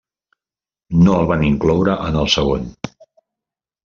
No el van incloure en el segon.